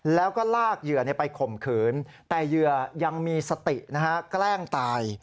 แล้วก็ลากเหยื่อไปข่มขืนแต่เหยื่อยังมีสตินะฮะแกล้งตาย